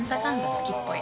好きっぽい。